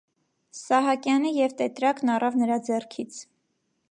Սահակյանը և տետրակն առավ նրա ձեռքից: